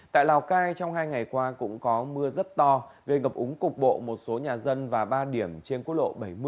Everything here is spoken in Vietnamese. tại lào cai trong hai ngày qua cũng có mưa rất to gây ngập úng cục bộ một số nhà dân và ba điểm trên quốc lộ bảy mươi